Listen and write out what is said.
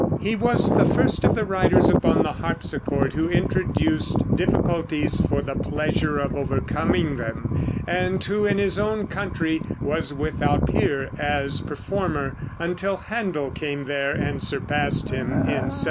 He was the first of the writers upon the harpsichord who introduced difficulties for the pleasure of overcoming them, and who, in his own country, was without peer as performer until Händel came there and surpassed him, in 1708.